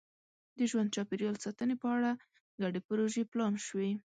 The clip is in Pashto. د ژوند چاپېریال ساتنې په اړه ګډې پروژې پلان شوي.